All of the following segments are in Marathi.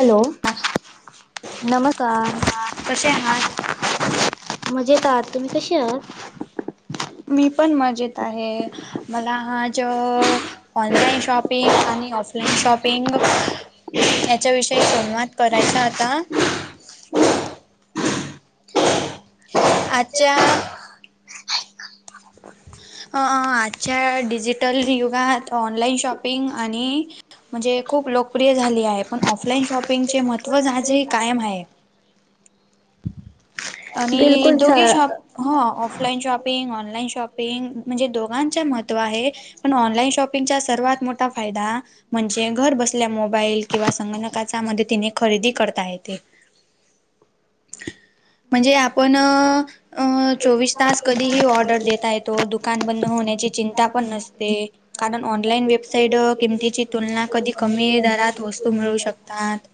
हॅलो नमस्कार.... कसे आहात? मज येत आह तुम्ही कशी आहात.... मी पण मजेत आहे मला हा.... ऑनलाइन शॉपिंग आणि ऑफ.... शॉपिंग याच्याविषयी संवाद करायचा आता.... आज्या..... [inaudible] आजच्या डिजिटल युगात ऑनलाइन शॉपिंग आणि..... म्हणजे खूप लोकप्रिय झाली आहे पण ऑफलाईन शॉपिंगचे महत्त्वच आजही कायम आहे.... आणि बिलकुल सा दोघे शॉप ह offline shop.... shopping online shopping म्हणजे दोघांच महत्त्व आहे... पण ऑनलाईन शॉपिंगचा सर्वात मोठा फायदा... म्हणजे घर बसल्या मोबाईल किंवा संगणकाचा मध्ये तिने खरेदी करता येत.... म्हणजे आपण... अ चोवीस तास कधीही ऑर्डर देता येतो दुकान बंद होण्याची चिंता पण नसते..... कारण ऑनलाईन वेबसाईट किमतीची तुलना कधी कमी दरात वस्तू मिळू शकतात....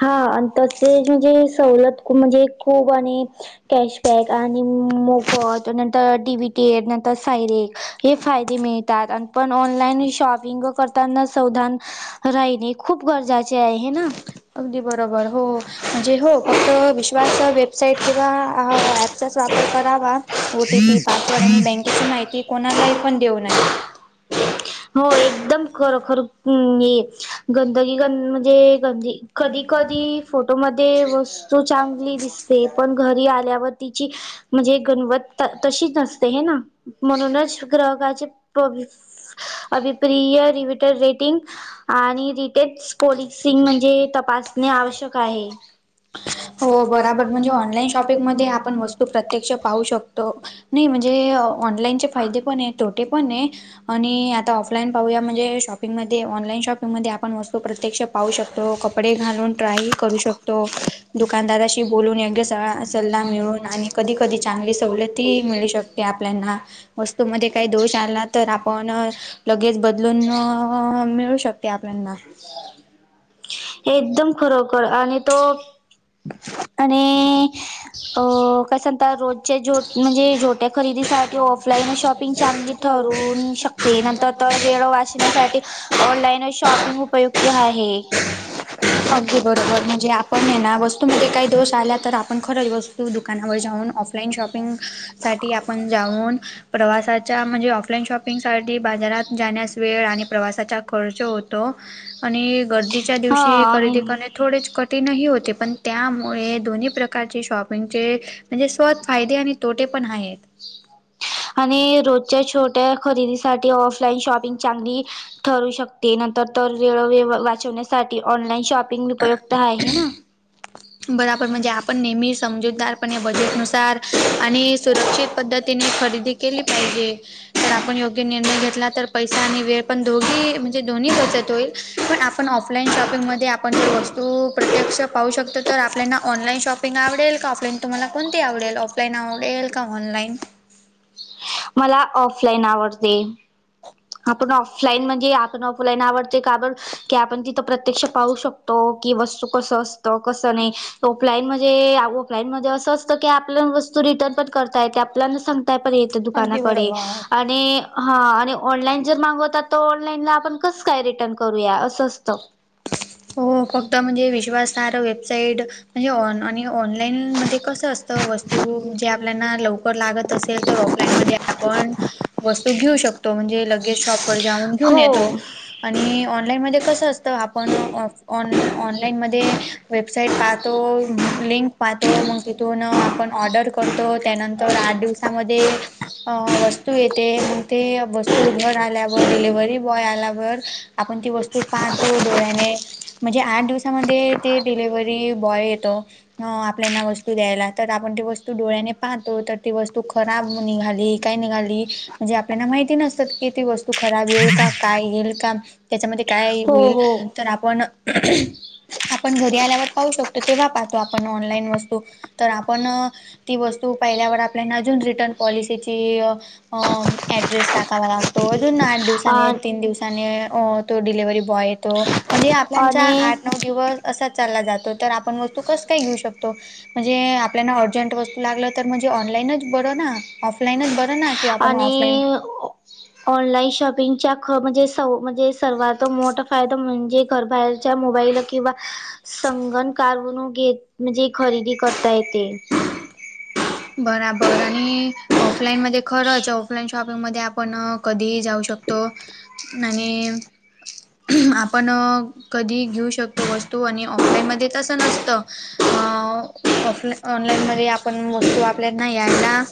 हा आणि तसे म्हणजे सवलत म्हणजे खूप आणि... कॅशबॅक आणि मोफत नंतर डीबीटी नंतर सायरेक... हे फायदे मिळतात आणि पण ऑनलाईन शॉपिंग करताना सावधान राहिणे खूप गरजाचे आहे हे ना... अगदी बरोबर हो म्हणजे हो फक्त विश्वास वेबसाईट किंवा... त्याचाच वापर करावा ओ टी पी पासवर्ड आणि बँकेची माहिती कोणालाही पण देऊ नये.... हो एकदम खर खर ये... गंदगी ग म्हणजे गंदी... कधी कधी फोटो मध्ये वस्तू चांगली दिस... पण घरी आल्यावर तिची म्हणजे गणवत... तशी नसते हे ना म्हणूनच ग्राहकाचे.... अभिप्रिय रिट रेटिंग आणि रिटे पॉलसिंग म्हणजे तपास... असणे आवश्यक आहे... हो बरोबर म्हणजे ऑनलाईन शॉपिंगमध्ये आपण वस्तू प्रत्यक्ष पाहू शकतो... नाही म्हणजे ऑनलाईनचे फायदे पण आहे तोटे पण आहे आणि आ... ऑनलाईन पाहूया म्हणे शॉपिंगमध्ये ऑनलाईन शॉपिंग.... म आपण वस्तो प्रत्यक्ष पाहू शकतो कपडे घालून ट्राय करू शकतो... दुकानदाराशी बोलून योग्य स सल्ला मिळून आणि कधी कधी चांगली सवलत ही....... श आपल्या वस्तू म काही दोष आला तर आपण लगेच बदलून.... मिळू शकते आपल्याना... [inaudible] एकदम खरोखर आणि तो आणि [inaudible] अ काय सांगता रोजचे जो म्हणजे झोट्या खरेदीसाठी ऑफलाईन शॉपिंग चांगली ठरू शकते नंतर तर वेळ वाचण्यासाठी ऑनलाईन व शॉपिंग उपयुक्त आहे अगदी बरोबर म्हणजे आपण हे ना वस्तूमध्येध्ये काही दोष आल्या तर आपण खरंच वस्तू दुकानावर जाऊन ऑफलाईन शॉपिंग साठी आपण जाऊन प्रवासात म्हणजे ऑफलाईन शॉपिंग साठी बाजारात जाण्यास वेळ आणि प्रवासाचा खर्च होतो आणि गर्दीच्या दिवशी आणि थोडेच कठीणही होते पण त्यामुळे दोन्ही प्रकारचे शॉपिंगचे म्हणजे स्वत फायदे आणि तोटे पण आहेत आणि रोजच्या छोट्या खरेदीसाठी ऑफलाईन शॉपिंग चांगली ठरू शकते नंतर तर वेळवे वाचवण्यासाठी ऑनलाईन शॉप उपयुक्त आहे ना बराबर म्हणजे आपण नेहमी समजूतदारपणे या बजेटनुसार आणि सुरक्षित पद्धत तानी खरेदी केली पाहिजे तर आपण योग्य निर्णय घेतला तर पैसा आणि वेळ पण दोघी म्हणजे दोन्ही बचत होईल पण आपण ऑफलाईन शॉपिंग म आपण वस्तू प्रत्यक्ष पाहू शकतो तर आपल्याना ऑनलाईन शॉपिंग आवडेल का ऑफलान तुमला कोणती आवडेल ऑफलाईन आवडेल का ऑनलाईन मला ऑफलाईन आवडते आपण ऑफलाईन म्हण आपण फुलाईन आवडते काब की आपण तिथं प्रत्यक्ष पाहू शकतो की वस्तू कसं असत त कस नाही ऑफलाईन मण ऑफलाईन म्हणजे असं असतं की आपल्या वस्तू रिटर्नण करताय ते आपल्या सांगताय पण अगदी दुकानाकडे बरोबर. आणि.. हा आणि ऑनलाईन जर मागवतात. तर ऑनलाईनला आपण कसं काय रिटर्न करूया असं असतं हो. फक्त म्हणजे विश्वासार वेबसाईट म्हणजे ऑ ऑनलाईन मध्ये कस असतं वस्तू जे आपल्या लव.. लागत असेल. तर ऑफलाईन म आपण वस्तू घेऊ शकतो. म्हणजे लगेज शॉप व जाऊन घेऊन येतो. हो आणि ऑनलाईन मध्ये कसं असतं आप.. पण ऑ ऑन ऑनलाईनमध्ये वेबसाईट पाहतो. लिंक पाहतो मग तिथून आपण ऑर्डर करतो. त्यानंतर आठ दिवसामध्ये अ वस्तू येते मग ते वस्तू घर आल्यावर डिलिव्हरी बॉय आल्यावर, आपण ती वस्तू पाहतो. म्हणजे आट दिवसांमधे डिलेवरी बाय येतो वू द्यायला तर आपण ती वस्तू डोळ्याने पाहतो तर ती वस्तू खराब निघाली. काय निघाली म्हणजे आपल्याला माहिती नसतात. की ती वस्तू खराब येईल का काय येईल का? त्याच्यामध्ये काय हो होईल? हो तर आपण आपण घरी आल्यावर पाहू शकतो. तेव्हा पाहतो आपण ऑनलाईन वस्तू तर आपण ती वस्तू पाहिल्यावर. आपल्या अजून रिटर्न पॉलिसीची अ ऍड्रेस टाकावा लागतो. अजून आठ दिवसाने तीन दिवसाने तो डिलिव्ही बॉय येतो म्हणजे आणि आपल्या, असा ला जातो. आपण व कस का घेऊ शकतो. म्हणे आपल्याला अर्जंट वस्तू लागलं तर म्हणजे ऑनलाईनच बरं ना ऑफलाईनच बरं ना किवा आपण ऑफलाईन ह.. ऑनलाईन शॉपिंगच्या ख म्हणजे म्हणजे. सर्वात मोठा फायदा म्हणजे घरबाहेरच्या मोबाईल किंवा, संगण कावणू घेत म्हणजे खरेदी करता. येते बराबर आणि ऑफलाईन मध्ये खरंच ऑफलाईन शॉपिंग मध्ये आपण कधी जाऊ शकतो आणि आपण कधी घेऊ शकतो वस्तू आणि ऑफलाईन मध्ये तसं नसतं अ ऑफला ऑन ऑनलाईनमध्ये आपण वस्तू आपल्याना यानां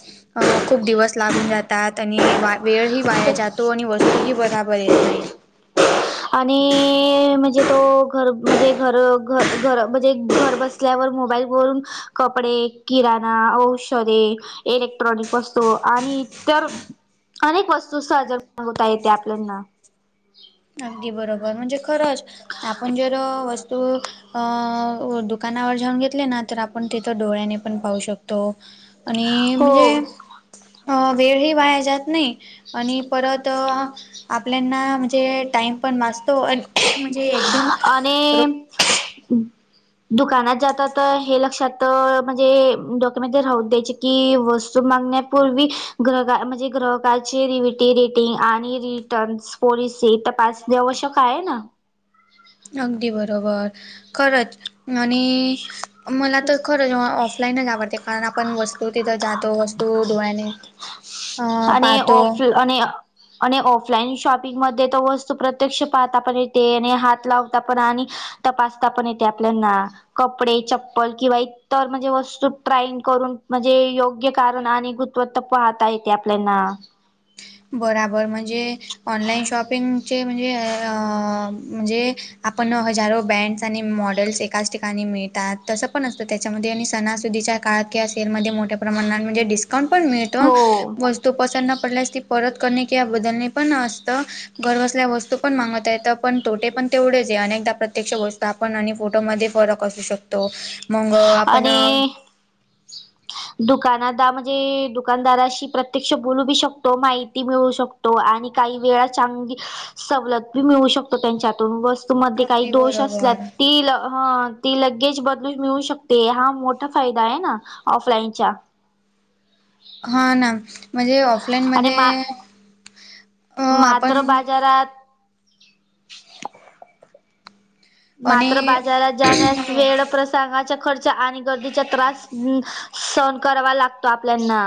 खूप दिवस लागून जातात आणि वा वेळही वाया जातो आणि वस्तू ही बराबर येत नाही आणि म्हणजे तो घर म्हणजे घर घ घर म्हणजे घर बस बसल्यावर मोबाईल वरून कपडे किराणा औषधे इलेक्ट्रॉनिक वस्तू आणि इतर अनेक वस्तू सहज मागवता येते आपल्याना अगदी बरोबर म्हणजे खरंच आपण जर वस्तू अ दुकानावर जाऊन घेतले ना तर आप आपण तिथं डोळ्यानी पण पाहू शकतो. आणि म्हणजे हो अ वेळही वाया जात नाही. आणि परत आपल्याना म्हणजे टाइम पण वाचतो आणि म्हणजे एक दोन आणि रु दुकानात जातात. हे लक्षात म्हणजे डोक्यामध्ये राहूदे की वस्तु मागण्यापूवी ग्रह म्हणजे ग्रहंकाची रीविटी रिटींग आणि री पन्स पॉलिसि इथं पाास आवश्यक आहे. ना अगदी बरोबर खरंच आणि मला तर ख जेव्हा ऑफलाईनच आवडते कारण आपण वस् अ आणि पाहतो ऑफ आणि आणि ऑफलाईन शॉपिंग मध्ये त वस्तू प्रत्यक्ष पाहता पण येते आणि हात लावता पण आणि तपासता पण येते आपल्याना कपडे चप्पल किंवा इतर म्हणजे वस्तू ट्राईन करून म्हणजे योग्य कारण आणि गुत्वत्ता पाहता येते आपल्याना बराबर म्हणजे ऑनलाईन शॉपिंगचे म्हणजे अ म्हणजे आपण हजारो बँड्स आणि मॉडेल्स एकाच ठिकाणी मिळतात. तंस पण असतं त्याच्यामध्ये आणि सणासुदीच्या काळात किंवा सेलमध्ये मोठ्या प्रमाणात म्हणजे डिस स्काउंट पण मिळतो हो वस्तू पसंननं पडल्यास ती परत करणे किंवा बदलणे पण असत. घरबसल्या वस्तू पण मागवता येत पण तोटे पण तेवढेच आहे अनेकदा प्रत्यक्ष वस्तू आप आपण आणि फोटोमध्ये फरक असू शकतो मंग आपण [unintelligible] दुकानादा म्हणजे दुकानदाराशी प्रत्यक्ष बोलू बी शकतो माहिती मिळू शक तो आणि काही वेळा चांगळी सवलत बी मिळू शकतो त्यांच्यातून वस त मध्ये काही अगदी दोष असल्या बरोबर तील ह ती लगेज बदलून मिळू शकते हा मोठा फायदा आहे ना ऑफलाईन चा हा ना म्हणजे ऑफलाईन आणि मध्ये मा मात्र बाजारात मात्र आणि बाजारात जाण्यास वेळ प्रस गा चा खर्च आणि गर्दीचा त्रास हं सहन करावा लागतो आपल्याना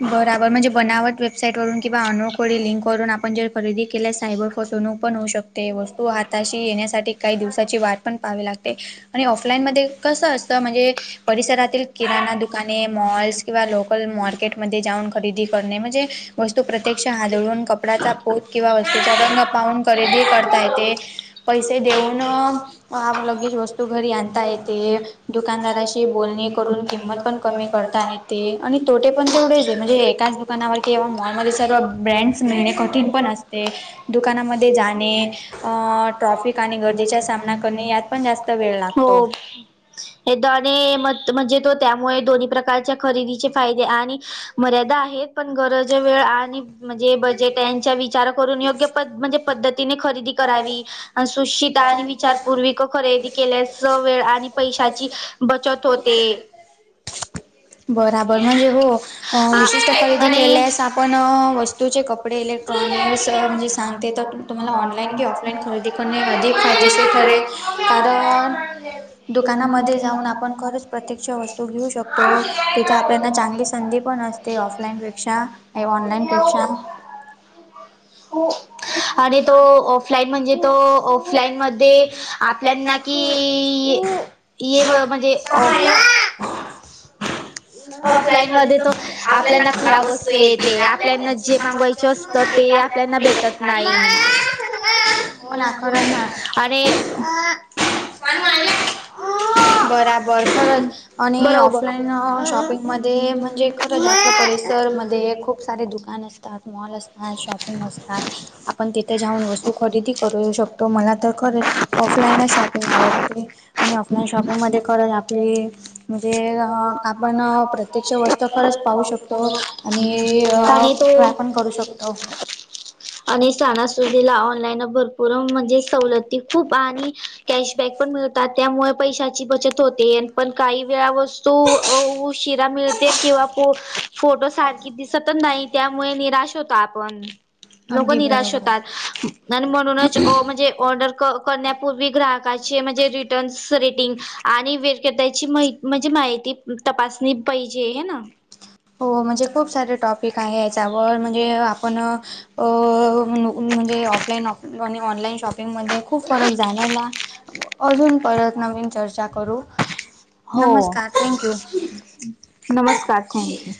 बरोबर म्हणजे बनावट वेबसाईट वरून किंवा अनुखोडी लिंक ववरून आपण जर खरेदी केल्यास सायबर फसवणूक पण होऊ शकते वस्तू हाताशी येण्यासाठी काही दिवसाची वाट पण पाहावी लागते. आणि ऑफलाईनमध्ये कसं असतं म्हणजे परिसरातील किराणा दुकाने मॉल्स किंवा लोकल मार्केट मध्ये जाऊन खरेदी करणे म्हजे वस्तू प्रत्यक्ष हदळून कपडाचा पोत किंवा वस्तूचा रंग पाहून खरेदी करता येते. पैसे देऊन अ हा आपण लगेच वस्तू घरी आणता येते दुकानदाराशी बोलणे करून किंमत पण कमी करता येते आणि तोटे पण तेवढेच ये म्हणजे एकाच दुकानावर किंवा मॉलमध्ये सर्व ब्रँड्स मिळणे कठीण पण असते. दुकानामध्ये जाणे अ ट्रॉफिक आणि गर्दीचा सामना करणे यात पण जास्त वेळ लागतो. हे दोनीं म म्हणजे तो त्यामुळे दोन्ही प्रकारच्या खरेदीचे फायदे आणि मर्यादा आहेत. पण गरज वेळ आणि म्हणजे बजेट यांच्या विचार करून योग्य प- म्हणजे पद्धतीने खरेदी करावी आणि सुशिदा आणि विचारपूर्वीक खरेदी केल्यास वेळ आणि पैशाची बचत होते. बराबर म्हणजे हो आ विशिष्ट खरेदी आणि केल्यास आपण वस्तूचे कपडे इलेक टट्रॉनर्स म्हणजे सांगते तर, तुम्हाला ऑनलाईन की ऑफलाईन खरेदी करणे अधिक फायदेशीर ठरेल. कारण, दुकानामध्ये जाऊन आपण खरच प्रत्यक्ष वस्तू घेऊ शकतो. तिथे आपल्याला चांगली संधी पण असते, ऑफलाईन पेक्षा आणि ऑनलाईन पेक्षा हो. आणि तो ऑफलाईन म्हणजे तो ऑफलाईन मध्ये आपल्यांना की इ ब म्हणजे ऑफ ऑफलाईन मध्ये तो आपल्याना खराब वस्तू येते आपल्याना जे मागवायचे असत ते आपल्याना भेटत नाही. हो ना खरं ना आणि [unintelligible] बराबर खरच आणि बरोबर ऑफलाईन शॉपिंग मध्ये म्हणजे खरंच आपल्या परिसर मध्ये खूप सारे दुकान असतात. मॉल असतात शॉपिंग असतात. आपण तिथे जाऊन वस्तू खरेदी करू शकतो, मला तर खरच ऑफलाईनच शॉपिंग आवडते, आणि ऑफलाईन शॉपिंग मध्ये करत आपली म्हणजे अ आपण अ प्रत्येक्ष वस्तू खरंच पाहू शकतो, आणि आणि ट्राय पण करू शकतो. तो तो आणि सणा सुुदिला ऑनलाईन भरपूर म्हणजे, सवलती खूप आणि कॅशबॅक पण मिळतात, त्यामुळे पैशाची बचत होते पण काही वेळा वस्तू अ उशिरा मिळते, किंवा फोटो सारखी दिसतच नाही त्यामुळे निराश होतो आपण. लोक अगदी निराश बरोबर होतात आणि म्हणूनच ओ म्हणजे ऑर्डर क- करण्यापूर्वी ग्राहकाचे म्हणजे रिटन्स रेटिंग आणि योग्यदायची माहिती म्हणजे माहिती तपासणी पाहिजे है ना. हो, म्हणजे खूप सारे टॉपिक आहे याच्यावर म्हणजे आपण अ अ म्हणजे ऑफलाईन ऑप ऑनलाईन शॉपिंग त्यामध्ये खूप फरक जाणवला अजून परत नवीन चर्चा करू. हो, नमस्कार थँक्यू नमस्कार! थँक्यू.